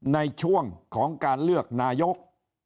ในช่วงของการเลือกนายก